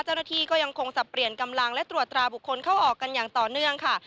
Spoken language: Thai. เจ้าหน้าที่ก็ยังคงสับเปลี่ยนกำลังและตรวจตราบุคคลเข้าออกกันอย่างต่อเนื่องค่ะ